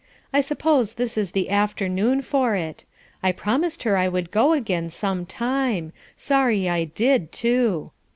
I suppose this is the afternoon for it. I promised her I would go again some time sorry I did too.